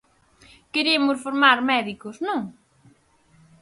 Queremos formar médicos, ¿non?